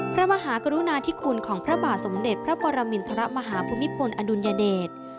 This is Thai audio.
พระมหากรุณาธิคุณของพระบาทสมเด็จพระปรมินทรมาฮภูมิพลอดุลยเดช